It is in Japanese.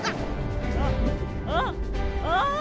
あっあっあ。